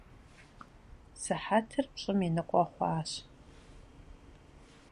Sıhetır pş'ım yi nıkhue xhuaş.